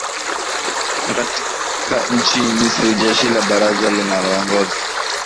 na katika nchini misri jeshi la baraza linaloongoza